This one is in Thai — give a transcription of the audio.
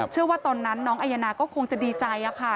ตอนนั้นน้องอายนาก็คงจะดีใจค่ะ